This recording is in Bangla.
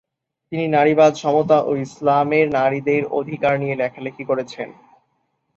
তিনি নারীবাদ, সমতা ও ইসলামের নারীদের অধিকার নিয়ে লেখালিখি করেছেন।